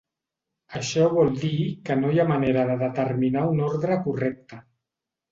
Això vol dir que no hi ha manera de determinar un ordre correcte.